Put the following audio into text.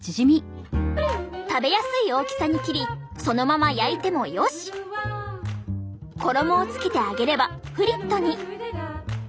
食べやすい大きさに切りそのまま焼いてもよし衣をつけて揚げればフリットに。